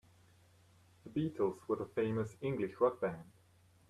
The Beatles was a famous English rock band.